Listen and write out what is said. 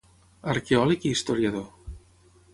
Arqueòleg i historiador.